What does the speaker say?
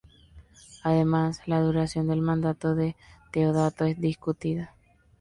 Además, la duración del mandato de Teodato es discutida.